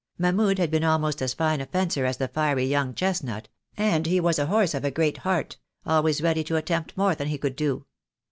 Mahmud had been almost as fine a fencer as the fiery young chestnut, and he was a horse of a great heart, always ready to attempt more than he could do.